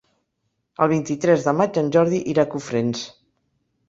El vint-i-tres de maig en Jordi irà a Cofrents.